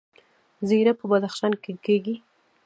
زیره په بدخشان کې کیږي